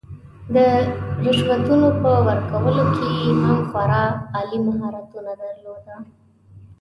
د رشوتونو په ورکولو کې یې هم خورا عالي مهارتونه درلودل.